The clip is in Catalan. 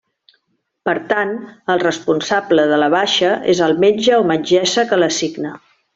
Per tant, el responsable de la baixa és el metge o metgessa que la signa.